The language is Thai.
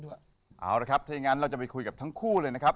เอาละครับถ้าอย่างนั้นเราจะไปคุยกับทั้งคู่เลยนะครับ